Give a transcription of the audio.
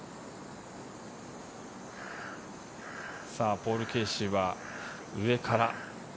ポール・ケーシーは上から。